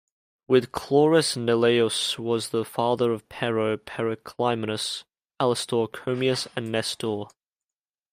With Chloris, Neleus was the father of Pero, Periclymenus, Alastor, Chomius and Nestor.